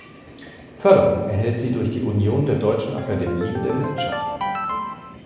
Förderung erhält sie durch die Union der deutschen Akademien der Wissenschaften.